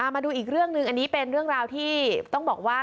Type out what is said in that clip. มาดูอีกเรื่องหนึ่งอันนี้เป็นเรื่องราวที่ต้องบอกว่า